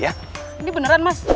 iya beneran mas